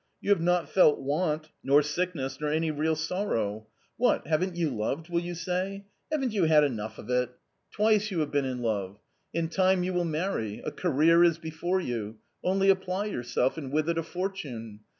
You have not felt want nor sickness nor any real sorrow. What, haven't you loved, will you say? Haven't you had enough of it? A COMMON STORY 231 twice you have been in love. In time you will marry ; a career is before you; only apply yourself; and with it a fortune.